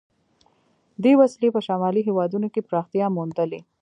دې وسیلې په شمالي هېوادونو کې پراختیا موندلې.